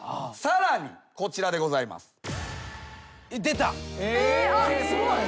さらにこちらでございます。